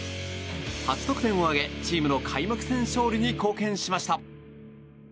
８得点を挙げ、チームの開幕戦勝利に貢献しました。